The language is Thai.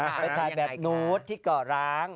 ไปถ่ายแบบนู้นที่เกาะร้าง